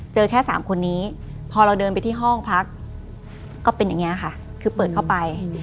แค่๓คนนี้พอเราเดินไปที่ห้องพักก็เป็นอย่างนี้ค่ะคือเปิดเข้าไป